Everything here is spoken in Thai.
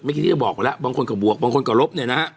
ไม่คิดว่าจะบอกแล้วบางคนก็บวกบางคนก็ลบ